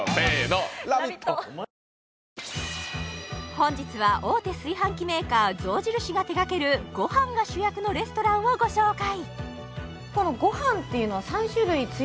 本日は大手炊飯器メーカー象印が手掛けるご飯が主役のレストランをご紹介